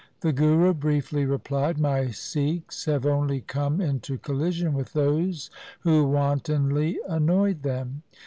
The Guru briefly replied —' My Sikhs have only come into collision with those who wantonly annoyed them.